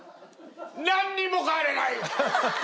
なんにも変われない！